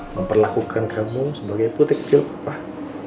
memperlakukan kamu sebagai putik jopah